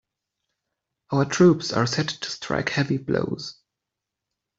Our troops are set to strike heavy blows.